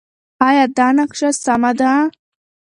ایا دا نقشه سمه ده؟